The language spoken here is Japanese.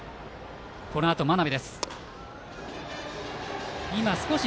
このあとは真鍋です。